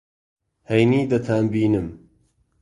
ھەینی دەتانبینم.